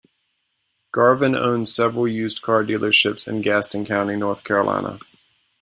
Garvin owns several used car dealerships in Gaston County, North Carolina.